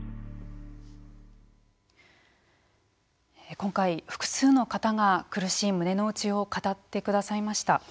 今回、複数の方が苦しい胸の内を語ってくださいました。